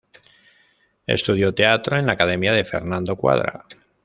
Estudió teatro en la Academia de Fernando Cuadra.